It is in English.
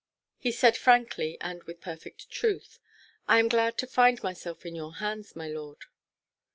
He said frankly, and with perfect truth, "I am glad to find myself in your hands, my lord."